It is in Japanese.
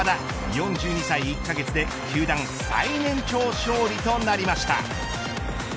４２歳１カ月で球団最年長勝利となりました。